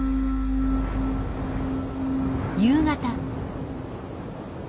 夕方。